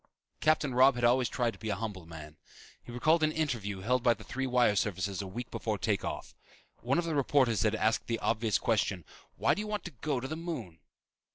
Captain Robb had always tried to be a humble man. He recalled an interview held by the three wire services a week before take off. One of the reporters had asked the obvious question, "Why do you want to go to the moon?"